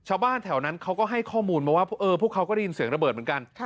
ชาวบ้านแถวนั้นเขาก็ให้ข้อมูลมาว่าพวกเขาก็ได้ยินเสียงระเบิดเหมือนกัน